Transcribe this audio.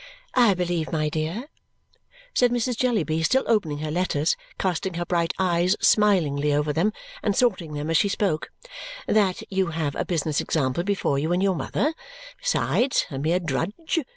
"I believe, my dear," said Mrs. Jellyby, still opening her letters, casting her bright eyes smilingly over them, and sorting them as she spoke, "that you have a business example before you in your mother. Besides. A mere drudge?